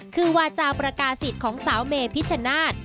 คือวาจาประกาศิษย์ของสาวเมพิชชนาธิ์